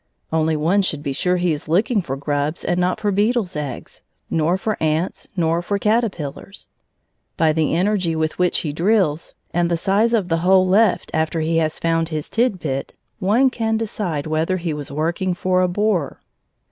Only one should be sure he is looking for grubs and not for beetles' eggs, nor for ants, nor for caterpillars. By the energy with which he drills, and the size of the hole left after he has found his tidbit, one can decide whether he was working for a borer.